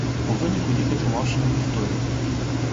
У выніку, лік атрымаўся непрыстойны.